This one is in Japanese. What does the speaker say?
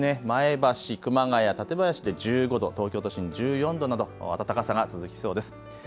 前橋、熊谷、館林で１５度、東京都心１４度など暖かさが続きそうです。